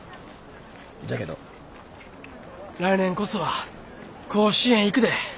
じゃけど来年こそは甲子園行くで。